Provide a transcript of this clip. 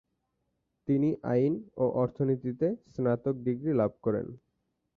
তিনি আইন ও অর্থনীতিতে স্নাতক ডিগ্রী লাভ করেন।